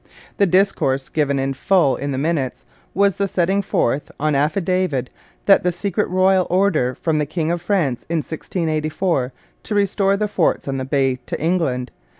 The discourse given in full in the minutes was the setting forth, on affidavit, of that secret royal order from the king of France in 1684 to restore the forts on the Bay to England.